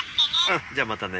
うんじゃあまたね。